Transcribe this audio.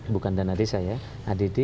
bukan dana desa ya add